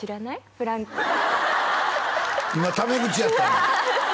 プランク今タメ口やったな！